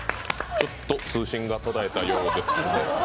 ちょっと通信が途絶えたようです。